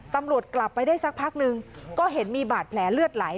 ตำรวจกลับไปได้สักพักนึงก็เห็นมีบาดแผลเลือดไหล